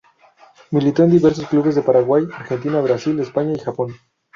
Militó en diversos clubes de Paraguay, Argentina, Brasil, España y Japón.